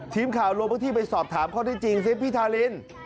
ทีมข่าวลงพื้นที่ไปสอบถามข้อที่จริงซิพี่ทาริน